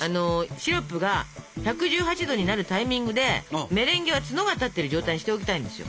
シロップが１１８℃になるタイミングでメレンゲは角が立ってる状態にしておきたいんですよ。